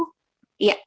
terima kasih ibu